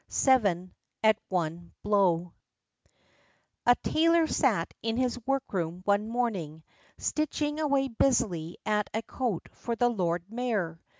Seven at one Blow A tailor sat in his workroom one morning, stitching away busily at a coat for the Lord Mayor.